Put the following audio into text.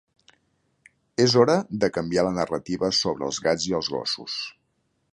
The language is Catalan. És hora de canviar la narrativa sobre els gats i els gossos.